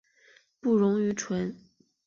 不溶于醇。